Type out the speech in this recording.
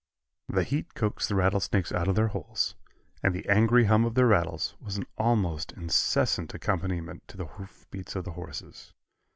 The heat coaxed the rattlesnakes out of their holes, and the angry hum of their rattles was an almost incessant accompaniment to the hoof beats of the horses.